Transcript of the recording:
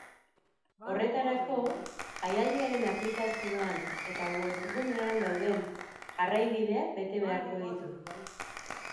Horretarako, jaialdiaren aplikazioan eta webgunean dauden jarraibideak bete beharko ditu.